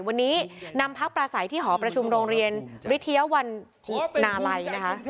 วันนี้นำพักประสัยที่หอประชุมโรงเรียนวิทยาวันนาลัยนะคะ